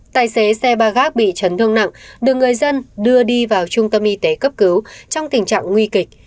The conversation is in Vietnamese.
tài xế xe ba gác bị chấn thương nặng được người dân đưa đi vào trung tâm y tế cấp cứu trong tình trạng nguy kịch